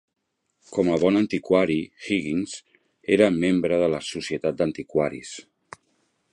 Com a bon antiquari, Higgins, era membre de la Societat d'Antiquaris.